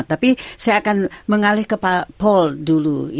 tapi saya akan mengalih ke paul dulu